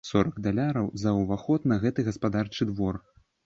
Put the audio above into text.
Сорак даляраў за ўваход на гэты гаспадарчы двор!